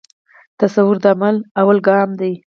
تصور د عمل لومړی ګام دی.